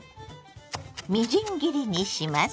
みじん切りにします。